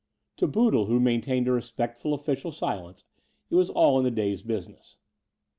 To Boodle who maintained a respectful official silence, it was all in the day's business.